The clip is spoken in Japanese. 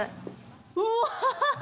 うわ！